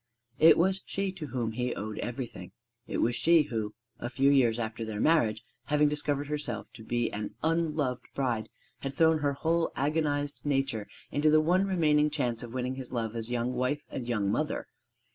It was she to whom he owed everything. It was she who, a few years after their marriage, having discovered herself to be an unloved bride, had thrown her whole agonized nature into the one remaining chance of winning his love as young wife and young mother.